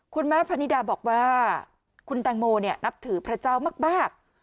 พนิดาบอกว่าคุณแตงโมนับถือพระเจ้ามาก